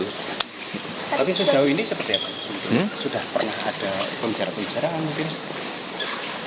tapi sejauh ini seperti apa sudah pernah ada pembicara pembicaraan mungkin